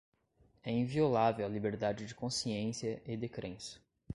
é inviolável a liberdade de consciência e de crença